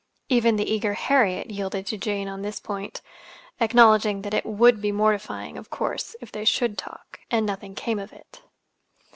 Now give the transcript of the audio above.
Even the eager Harriet yielded to Jane on this point, acknowledging that it would be mortifying, of course, if they should talk, and nothing came of it.